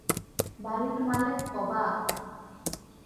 বাড়ির মালেক অবাক।